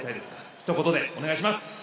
ひと言でお願いします！